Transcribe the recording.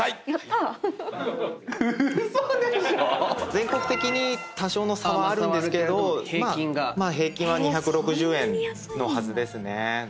全国的に多少の差はあるんですけど平均は２６０円のはずですね。